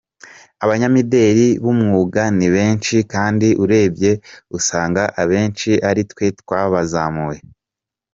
Abanyamideli b’umwuga ni benshi, kandi urebye usanga abenshi ari twe twabazamuye.